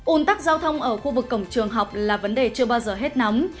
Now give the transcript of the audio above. ủn tắc giao thông ở khu vực cổng trường học là vấn đề chưa bao giờ hết nóng